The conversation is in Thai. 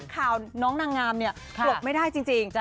ข่าวน้องนางงามเนี่ยปลบไม่ได้จริง